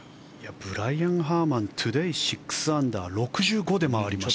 ブライアン・ハーマントゥデー６アンダー６５で回りました。